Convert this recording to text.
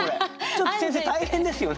ちょっと先生大変ですよね？